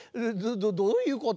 どういうこと？